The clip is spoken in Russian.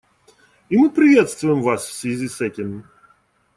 И мы приветствуем вас в связи с этим.